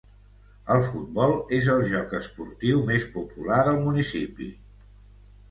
El futbol és el joc esportiu més popular del municipi.